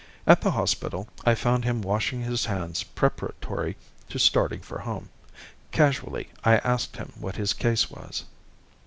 At the hospital I found him washing his hands preparatory to starting for home. Casually, I asked him what his case was.